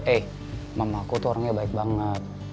eh mama aku tuh orangnya baik banget